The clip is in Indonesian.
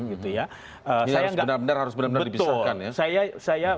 ini harus benar benar dibisarkan ya